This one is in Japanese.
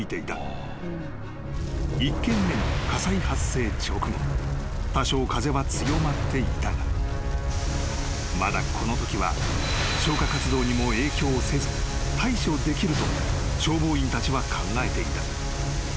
［１件目の火災発生直後多少風は強まっていたがまだこのときは消火活動にも影響せず対処できると消防員たちは考えていた。